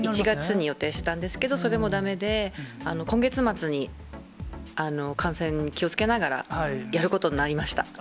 １月に予定していたんですけど、それもだめで、今月末に、感染、気をつけながら、やることになりました。